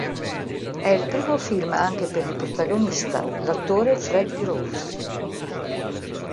È il primo film anche per il protagonista, l'attore Fred Groves.